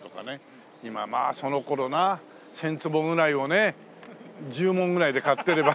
今その頃なあ１０００坪ぐらいをね１０文ぐらいで買ってれば。